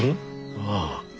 ああ。